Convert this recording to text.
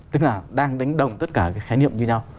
tức là đang đánh đồng tất cả cái khái niệm như nhau